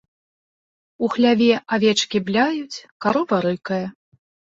У хляве авечкі бляюць, карова рыкае.